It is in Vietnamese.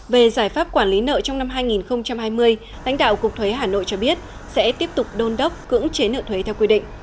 về giải pháp quản lý nợ trong năm hai nghìn hai mươi lãnh đạo cục thuế hà nội cho biết sẽ tiếp tục đôn đốc cưỡng chế nợ thuế theo quy định